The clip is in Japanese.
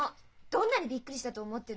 どんなにびっくりしたと思ってるの？